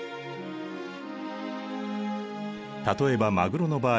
例えばマグロの場合